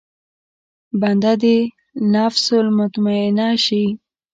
بنده دې النفس المطمئنه شي.